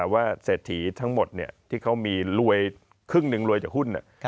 เศรษฐีทั้งหมดที่เขามีรวยครึ่งหนึ่งรวยจากหุ้น